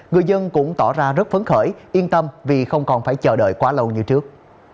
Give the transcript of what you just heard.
người dân cũng tỏ ra rất phấn khởi yên tâm vì không còn phải chờ đợi quá lâu như trước